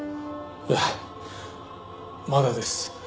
いやまだです。